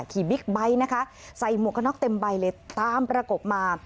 บิ๊กไบท์นะคะใส่หมวกกระน็อกเต็มใบเลยตามประกบมา